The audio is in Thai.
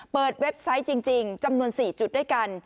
เว็บไซต์จริงจำนวน๔จุดด้วยกัน